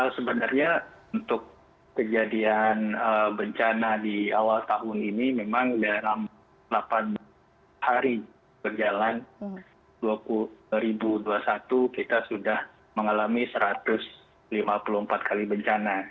sebenarnya untuk kejadian bencana di awal tahun ini memang dalam delapan hari berjalan dua ribu dua puluh satu kita sudah mengalami satu ratus lima puluh empat kali bencana